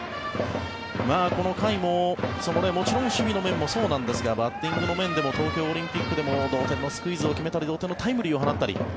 この甲斐ももちろん守備の面もそうですがバッティングの面でも東京オリンピックでも同点のスクイズを決めたり同点のタイムリーを放ったり。